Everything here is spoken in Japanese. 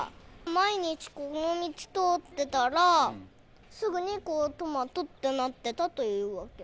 毎日、この道通ってたら、すぐにこう、トマトってなってたというわけ。